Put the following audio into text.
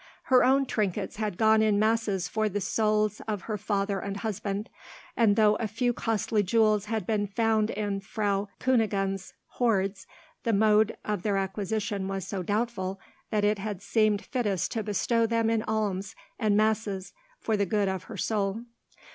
Her own trinkets had gone in masses for the souls of her father and husband; and though a few costly jewels had been found in Frau Kunigunde's hoards, the mode of their acquisition was so doubtful, that it had seemed fittest to bestow them in alms and masses for the good of her soul.